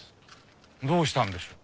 どうしたんでしょう？